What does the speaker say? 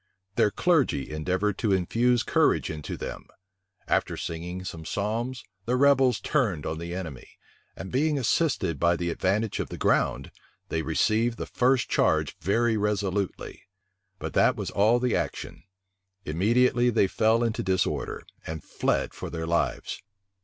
Their clergy endeavored to infuse courage into them. After singing some psalms, the rebels turned on the enemy; and being assisted by the advantage of the ground, they received the first charge very resolutely. But that was all the action: immediately they fell into disorder, and fled for their lives.